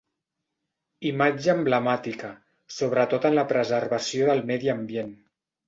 Imatge emblemàtica, sobretot en la preservació del medi ambient.